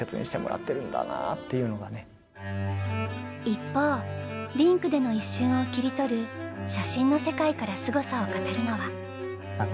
一方リンクでの一瞬を切り取る写真の世界からすごさを語るのは。